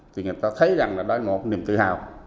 thì người ta thấy rằng là đó là một niềm tự hào